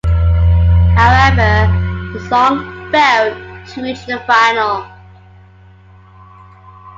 However, the song failed to reach the final.